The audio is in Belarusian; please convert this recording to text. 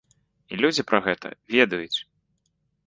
І людзі пра гэта ведаюць!